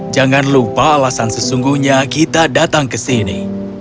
jangan lupa alasan sesungguhnya kita datang ke sini